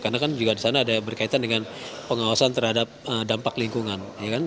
karena kan juga di sana ada berkaitan dengan pengawasan terhadap dampak lingkungan